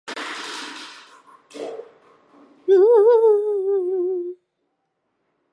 ইন্টারনেটের বাধা ও আন্দোলনকারী জনগণের প্রতি আসা সহিংস আঘাতের ভিত্তিতে তিনি এই মন্তব্য করেন।